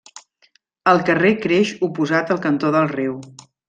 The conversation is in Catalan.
El carrer creix oposat al cantó del riu.